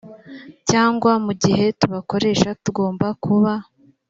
cyangwa mu gihe tubakoresha tugomba kuba